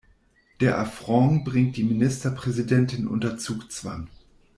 Der Affront bringt die Ministerpräsidentin unter Zugzwang.